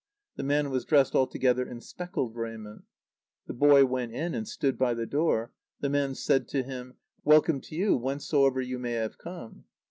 The man was dressed altogether in speckled raiment. The boy went in, and stood by the door. The man said to him: "Welcome to you, whencesoever you may have come."